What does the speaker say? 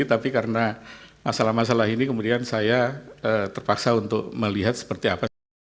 tapi karena masalah masalah ini kemudian saya terpaksa untuk melihat seperti apa